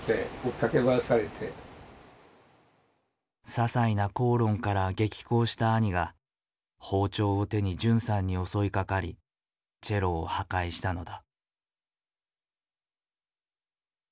ささいな口論から激高した兄が包丁を手に純さんに襲いかかりチェロを破壊したのだ。